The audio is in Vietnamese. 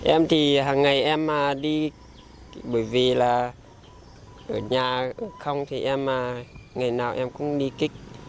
em thì hằng ngày em đi bởi vì là ở nhà không thì em ngày nào em cũng đi kích